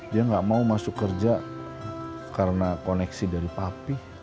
dia nggak mau masuk kerja karena koneksi dari papi